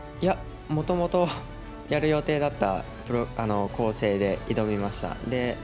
もともとやる予定だった構成で挑みました。